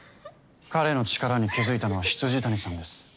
彼の力に気付いたのは未谷さんです。